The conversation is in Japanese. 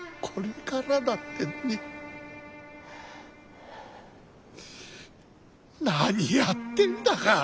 これからだってのに何やってんだか。